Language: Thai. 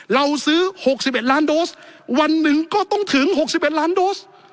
เราซื้อ๖๑ล้านโดสวันหนึ่งก็ต้องถึง๖๑ล้านโดส